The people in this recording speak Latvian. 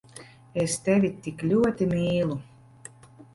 Es tevi tik ļoti mīlu…